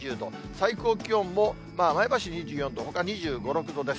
最高気温も前橋２４度、ほか２５、６度です。